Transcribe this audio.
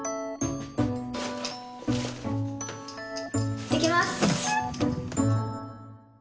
行ってきます！